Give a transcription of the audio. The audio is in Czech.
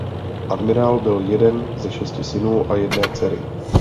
Admirál byl jeden ze šesti synů a jedné dcery.